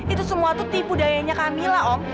itu semua tuh tipu dayanya kamila om